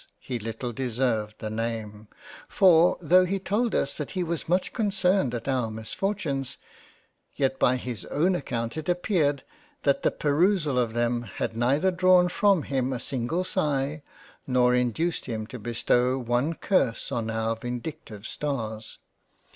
he little deserved the name — for though he told us that he was much concerned at our Misfortunes, yet by his own account it appeared that the 23 jl JANE AUSTEN perusal of them, had neither drawn from him a single sig] nor induced him to bestow one curse on our vindictive stars —